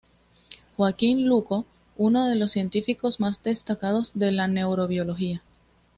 Joaquín Luco, uno de los científicos más destacados de la Neurobiología.